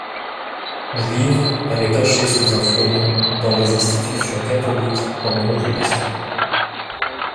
Juive, elle est cachée sous un faux nom dans des institutions catholiques pendant l'Occupation.